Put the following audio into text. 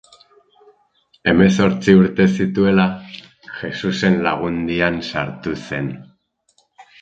Hemezortzi urte zituela, Jesusen Lagundian sartu zen.